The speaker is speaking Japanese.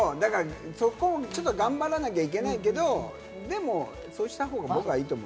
そこを頑張らなきゃいけないけれども、でもそうした方が僕はいいと思う。